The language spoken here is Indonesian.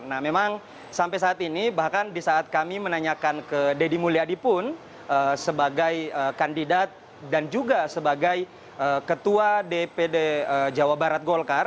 nah memang sampai saat ini bahkan di saat kami menanyakan ke deddy mulyadi pun sebagai kandidat dan juga sebagai ketua dpd jawa barat golkar